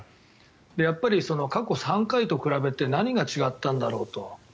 やっぱり、過去３回と比べて何が違ったんだろうと。